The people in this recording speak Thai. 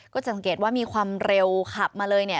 จะสังเกตว่ามีความเร็วขับมาเลยเนี่ย